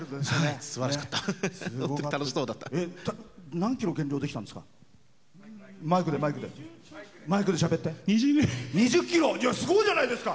何キロ減量できたんですか？